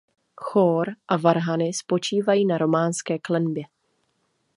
Chór a varhany spočívají na románské klenbě.